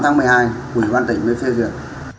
thì hãy hủy văn tỉnh với phê duyệt